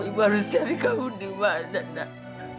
ibu harus cari kamu di mana nak